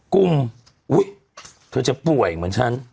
กุ้งอุ๊ยเธอจะป่วยเหมือนฉัน